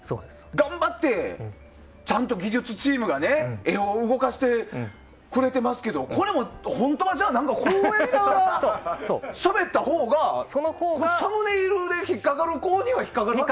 頑張って、ちゃんと技術チームが画を動かしてくれてますけどこれも本当はこうやりながらしゃべったほうがサムネイルで引っかかることには引っかかる？